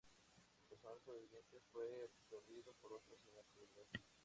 El personal sobreviviente fue absorbido por otras unidades de seguridad.